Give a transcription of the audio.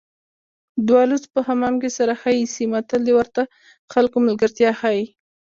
دوه لوڅ په حمام کې سره ښه ایسي متل د ورته خلکو ملګرتیا ښيي